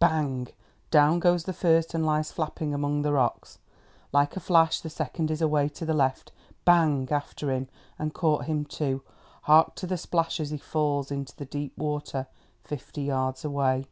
Bang! down goes the first and lies flapping among the rocks. Like a flash the second is away to the left. Bang! after him, and caught him too! Hark to the splash as he falls into the deep water fifty yards away.